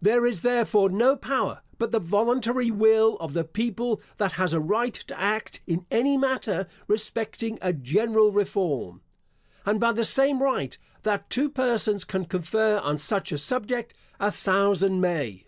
There is, therefore, no power but the voluntary will of the people that has a right to act in any matter respecting a general reform; and by the same right that two persons can confer on such a subject, a thousand may.